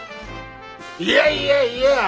いやいやいや